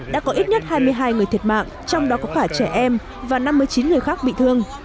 đã có ít nhất hai mươi hai người thiệt mạng trong đó có cả trẻ em và năm mươi chín người khác bị thương